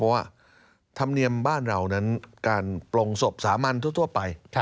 เพราะว่าธรรมเนียมบ้านเรานั้นการปลงศพสามัญทั่วไป